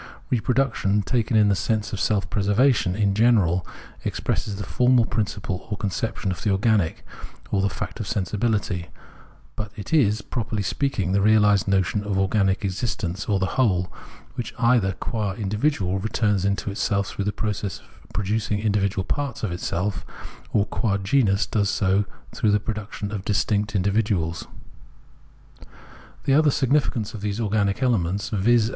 Re production, taken in the sense of self preservation in general, expresses the formal principle or conception of the organic, or the fact of Sensibihty ; but it is, properly speaking, the reahsed notion of organic exist ence, or the whole, which either qua individual returns into itself through the process of producing individual parts of itseK, or qua genus does so through the pro duction of distinct individuals. The other significance of these organic elements, viz.